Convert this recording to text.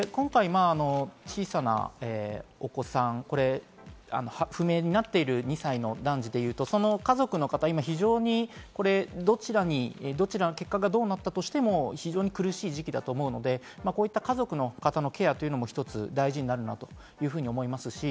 今回、小さなお子さん、不明になっている２歳の男児っていうとその家族の方、今非常に結果がどうなったとしても非常に苦しい時期だと思うので、こういった家族の方のケアというのも一つ大事になるかなと思います。